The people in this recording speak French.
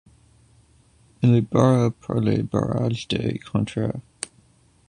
Il est barré par le barrage de Contra.